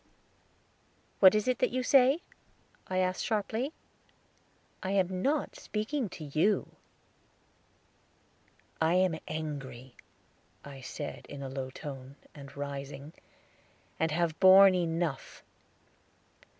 "What is that you say?" I asked sharply. "I am not speaking to you." "I am angry," I said in a low tone, and rising, "and have borne enough."